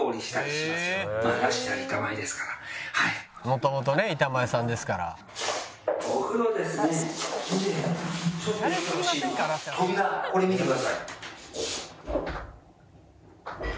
元々ね板前さんですから。これ見てください。